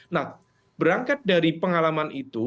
nah berangkat dari pengalaman itu